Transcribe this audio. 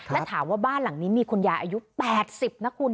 และถามว่าบ้านหลังนี้มีคุณยายอายุ๘๐นะคุณ